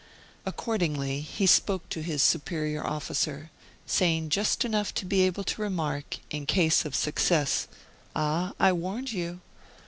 Accordingly, he spoke to his superior officer saying just enough to be able to remark, in case of success: "Ah! I warned you!"